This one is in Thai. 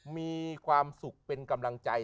มีความสุขเป็นกำลังใจ